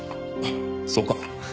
そうか？